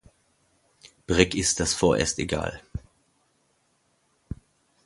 Brick ist das vorerst egal.